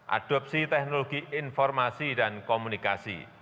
adopsi teknologi informasi dan komunikasi